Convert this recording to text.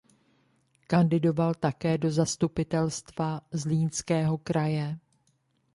Kandidoval také do Zastupitelstva Zlínského kraje.